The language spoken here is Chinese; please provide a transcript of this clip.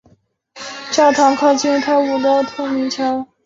教堂靠近泰晤士河及普特尼桥。